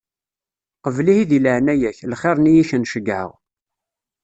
Qbel ihi di leɛnaya-k, lxiṛ-nni i k-n-ceggɛeɣ;